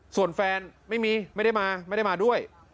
ส่วนแฟนไม่มีไม่ได้มาไม่ได้มาด้วย